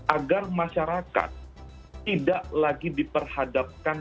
agar masyarakat tidak lagi diperhadapkan